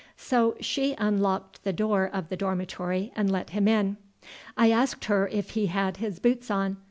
So she unlocked the door of the dormitory and let him in. I asked her if he had his boots on.